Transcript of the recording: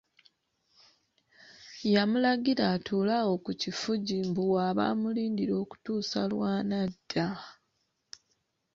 Yamulagira atuule awo ku kifugi mbu w'aba amulindira okutuusa lw'anadda.